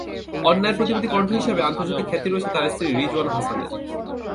অন্যায়ের প্রতিবাদী কণ্ঠ হিসেবে আন্তর্জাতিক খ্যাতি রয়েছে তাঁর স্ত্রী রিজওয়ানা হাসানের।